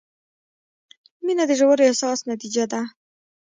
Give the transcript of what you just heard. • مینه د ژور احساس نتیجه ده.